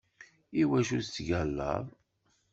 Iwacu tettgallaḍ?